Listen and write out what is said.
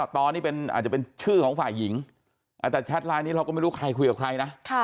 ตอนนี้อาจจะเป็นชื่อของฝ่ายหญิงแต่แชทไลน์นี้เราก็ไม่รู้ใครคุยกับใครนะ